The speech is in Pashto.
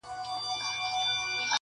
خیر لږ دي وي حلال دي وي پلارجانه,